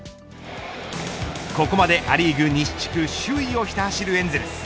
ここまでア・リーグ西地区首位をひた走るエンゼルス。